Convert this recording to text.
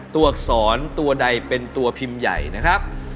อักษรตัวใดเป็นตัวพิมพ์ใหญ่นะครับ